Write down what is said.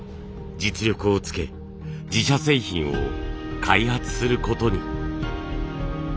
実力をつけ自社製品を開発することに。